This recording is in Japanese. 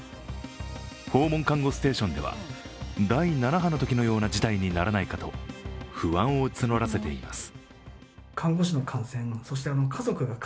訪問看護ステーションでは第７波のときのような事態にならないかと不安を募らせています。